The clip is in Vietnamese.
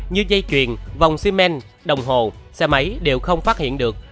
như dây chuyền vòng xi men đồng hồ xe máy đều không phát hiện được